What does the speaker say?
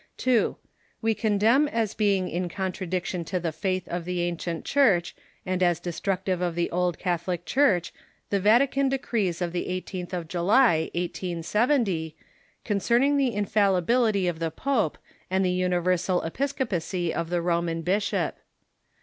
2. We condemn as being in contradiction to the faith of the ancient Church and as destructive of the old Catholic Church the Vatican decrees of the 18th of July, 1870, concerning the infallibility of the po])e and the universal epis copacy of the Roman Bishop.